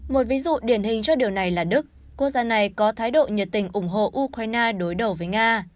một ví dụ điển hình cho điều này là đức quốc gia này có thái độ nhiệt tình ủng hộ ukraine đối đầu với nga